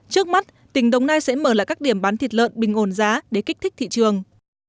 trước mắt tỉnh đồng nai sẽ mở lại các điểm bán thịt lợn bình ổn giá để kích thích thị trường